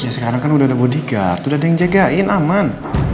ya sekarang kan udah ada bodyguard udah ada yang jagain aman